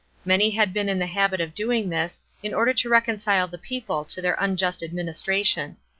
Many had been in the habit of doing this, in order to reconcile the people to their unjust administration.